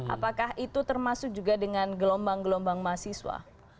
apakah itu termasuk juga dengan gelombang gelombang mahasiswa